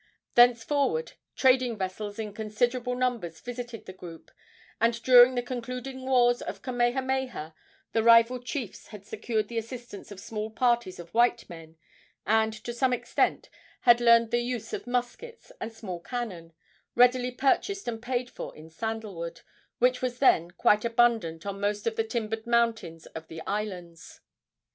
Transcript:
Thenceforward trading vessels in considerable numbers visited the group, and during the concluding wars of Kamehameha the rival chiefs had secured the assistance of small parties of white men, and to some extent had learned the use of muskets and small cannon, readily purchased and paid for in sandal wood, which was then quite abundant on most of the timbered mountains of the islands.